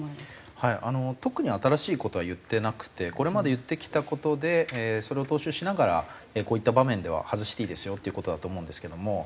特に新しい事は言ってなくてこれまで言ってきた事でそれを踏襲しながらこういった場面では外していいですよっていう事だと思うんですけども。